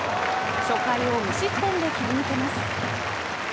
初回を無失点で切り抜けます。